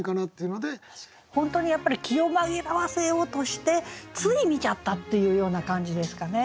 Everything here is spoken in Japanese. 本当にやっぱり気を紛らわせようとしてつい見ちゃったっていうような感じですかね。